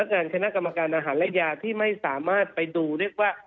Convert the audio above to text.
กับนักงานข้างหน้ากรรมการอาหารและยาที่ไม่สามารถไปดูเรียกว่า